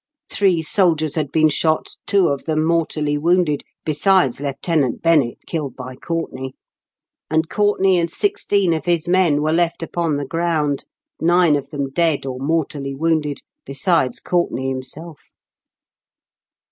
Three soldiers had been shot, two of them mortally wounded, besides Lieutenant Bennett, killed by Courtenay ; and Courtenay and sixteen of his men were left upon the ground, nine of them dead or mortally wounded, besides Courtenay himself."